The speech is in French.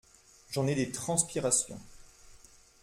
J’en ai des transpirations.